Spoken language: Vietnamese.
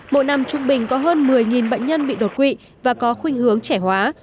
mỗi năm trung bình có hơn một mươi bệnh nhân bị đột quỵ và có khuyên hướng trẻ hóa